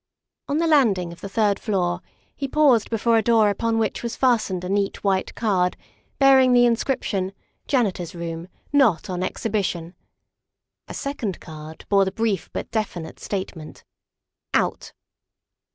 On the landing of the third floor he paused before a door upon which was fastened a neat white card bearing the inscription, "Janitor's Room. Not on Exhibition." A second card bore the brief but definite statement, " Out."